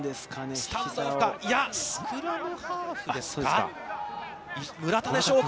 スタンドオフか。